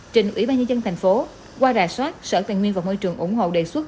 trên quỹ ban nhân dân tp hcm qua rà soát sở tài nguyên và môi trường ủng hộ đề xuất